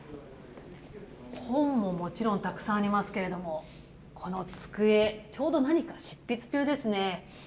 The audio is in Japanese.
本ももちろんたくさんありますけれども、この机、ちょうど何か執筆中ですね。